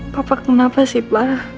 papa kenapa sih pa